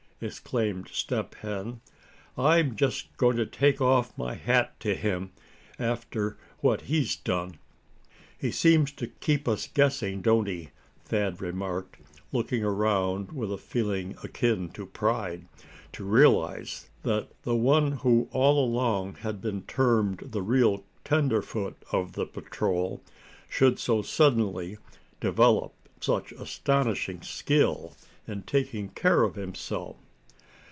exclaimed Step Hen. "I'm just goin' to take off my hat to him, after what he's done." "He seems to keep us guessing, don't he?" Thad remarked, looking around with a feeling akin to pride, to realize that the one who all along had been termed the real tenderfoot of the patrol, should so suddenly develop such astonishing skill in taking care of himself.